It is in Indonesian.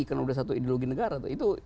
karena udah satu ideologi negara